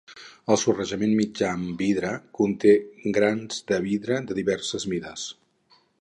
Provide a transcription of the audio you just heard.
El sorrejament mitjà amb vidre conté grans de vidre de diverses mides.